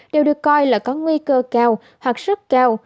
đều được coi là có nguy cơ cao hoặc rất cao